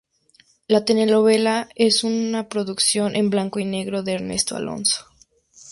La telenovela es una producción en blanco y negro de Ernesto Alonso.